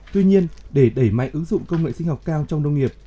tuy nhiên để đẩy mạnh ứng dụng công nghệ sinh học cao trong nông nghiệp